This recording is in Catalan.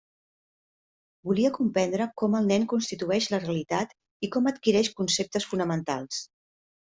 Volia comprendre com el nen constitueix la realitat i com adquireix conceptes fonamentals.